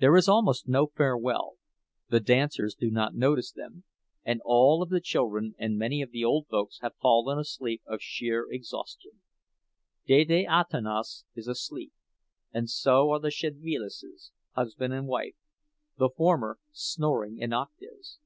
There is almost no farewell—the dancers do not notice them, and all of the children and many of the old folks have fallen asleep of sheer exhaustion. Dede Antanas is asleep, and so are the Szedvilases, husband and wife, the former snoring in octaves.